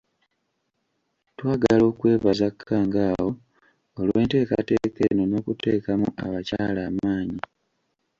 Twagala okwebaza Kkangaawo olw'enteekateeka eno n'okuteekamu abakyala amaanyi.